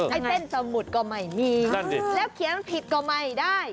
ไอ้เส้นสมุดก็ไม่มีนั่นดิแล้วเขียนผิดก็ไม่ได้